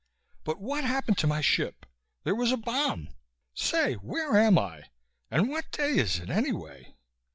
But what happened to my ship? There was a bomb.... Say, where am I and what day is it anyway?"